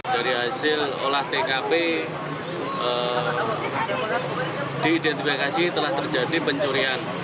dari hasil olah tkp di identifikasi telah terjadi pencurian